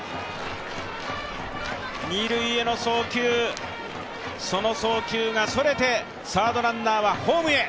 二塁への送球がそれて、サードランナーはホームへ。